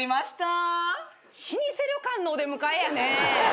老舗旅館のお出迎えやね。